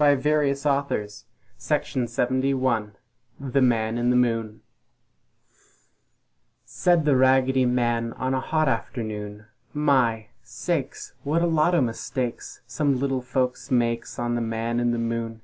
OLD FASHIONED POEMS THE MAN IN THE MOON Said the Raggedy Man on a hot afternoon, "My! Sakes! What a lot o' mistakes Some little folks makes on the Man in the Moon!